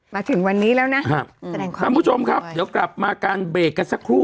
มาถึงวันนี้แล้วนะแสดงความยินดีกับคุณเวียร์คุณผู้ชมครับเดี๋ยวกลับมาการเบรกกันสักครู่